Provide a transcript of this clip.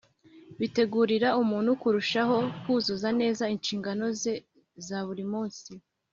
bitegurira umuntu kurushaho kuzuza neza inshingano ze za buri munsi